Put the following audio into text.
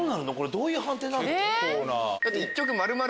どういう判定になるの？